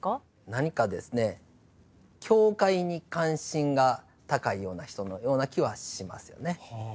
何かですね「境界」に関心が高いような人のような気はしますよね。